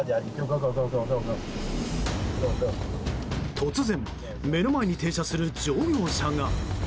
突然目の前に停車する乗用車が。